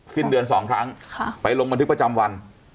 สิ้นเดือน๒ครั้งไปลงบันทึกประจำวัน